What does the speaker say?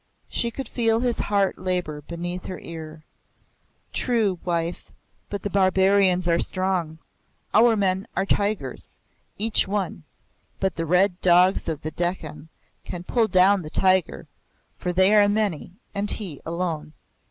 She could feel his heart labor beneath her ear. "True, wife; but the barbarians are strong. Our men are tigers, each one, but the red dogs of the Dekkan can pull down the tiger, for they are many, and he alone."